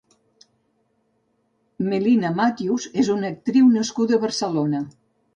Melina Matthews és una actriu nascuda a Barcelona.